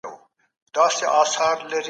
ښه خلک د ايمان په رڼا کي ژوند کوي.